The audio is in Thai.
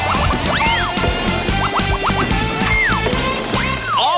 โอ้บัตเจ้า